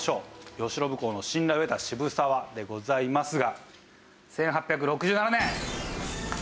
慶喜公の信頼を得た渋沢でございますが１８６７年。